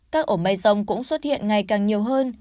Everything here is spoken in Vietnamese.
các ổ mây rông cũng xuất hiện ngày càng nhiều hơn